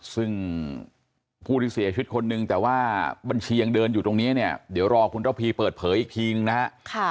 ซึ่งผู้ที่เสียชีวิตคนนึงแต่ว่าบัญชียังเดินอยู่ตรงนี้เนี่ยเดี๋ยวรอคุณระพีเปิดเผยอีกทีนึงนะฮะ